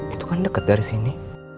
itu kan dekat dari sini